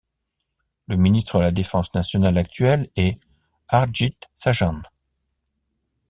Le ministre de la Défense nationale actuel est Harjit Sajjan.